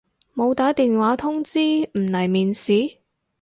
冇打電話通知唔嚟面試？